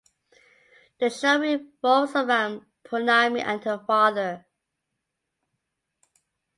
The show revolves around Pournami and her father.